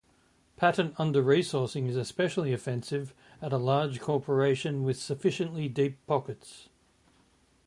Patent under-resourcing is especially offensive at a large corporation with sufficiently deep pockets.